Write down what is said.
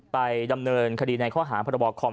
ไปดำเนินคดีในข้อหาพรบคอม